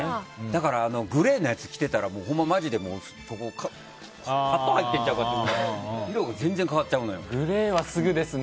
だからグレーのやつ着てたらほんま、マジでパット入ってるんかっていうくらい色が全然変わっちゃうのよ。